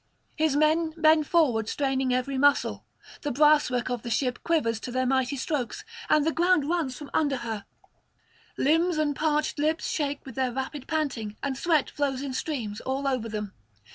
His men bend forward, straining every muscle; the brasswork of the ship quivers to their mighty strokes, and the ground runs from under her; limbs and parched lips shake with their rapid panting, and sweat flows in streams all over them.